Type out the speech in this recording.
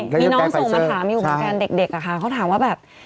หรอใช่มีน้องส่งมาถามอยู่กับแฟนเด็กค่ะเขาถามว่าแบบ